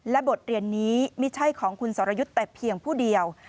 บทเรียนนี้ไม่ใช่ของคุณสรยุทธ์แต่เพียงผู้เดียว